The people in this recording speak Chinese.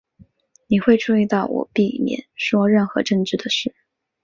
你会注意到我避免说任何政治的事。